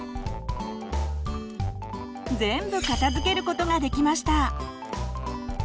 全部片づけることができました！